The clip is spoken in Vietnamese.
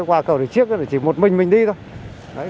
qua cầu đường chiếc thì chỉ một mình mình đi thôi